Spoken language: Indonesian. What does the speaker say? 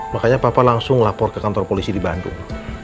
makanya papa langsung lapor ke kantor polisi di bandung